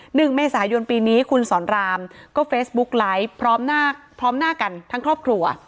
หนึ่งเมษายนปีนี้คุณสอนรามก็เฟซบุ๊กไลฟ์พร้อมหน้าพร้อมหน้ากันทั้งครอบครัว